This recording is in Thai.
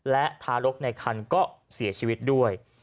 และทารกในคันก็เสียชีวิตด้วย